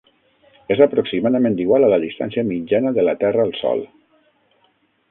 És aproximadament igual a la distància mitjana de la Terra al Sol.